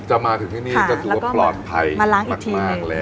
จะมาถึงที่นี่ก็ถือว่าปลอดภัยมากแล้ว